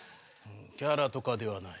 キャラとかではない。